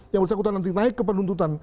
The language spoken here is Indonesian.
yang bisa kita naik ke penuntutan